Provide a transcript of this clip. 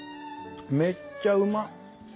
めっちゃうまっ！